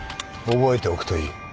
覚えておくといい。